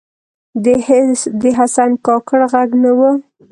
د حسن کاکړ ږغ نه و